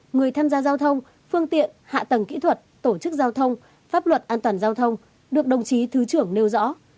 người tham gia giao thông phương tiện hạ tầng kỹ thuật tổ chức giao thông pháp luật an toàn giao thông được đồng chí thứ trưởng nêu rõ